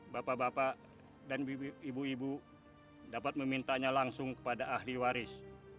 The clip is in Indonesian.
bapak bapak dan ibu ibu dapat memintanya langsung kepada ahli waris